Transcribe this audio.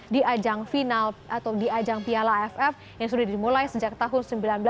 di ajang final atau di ajang piala aff yang sudah dimulai sejak tahun seribu sembilan ratus sembilan puluh